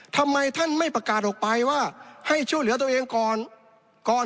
ทำไมท่านไม่ประกาศออกไปว่าให้ช่วยเหลือตัวเองก่อนก่อน